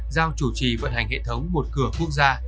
giao chủ trì vận hành hệ thống một cửa quốc gia